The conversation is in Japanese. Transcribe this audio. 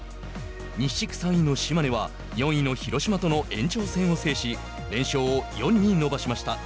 西地区３位の島根は４位の広島との延長戦を制し連勝を４に伸ばしました。